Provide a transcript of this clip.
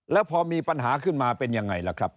แล้วพอมีปัญหาขึ้นมาเป็นยังไงล่ะครับ